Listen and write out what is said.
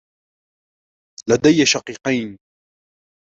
لدي شقيقين.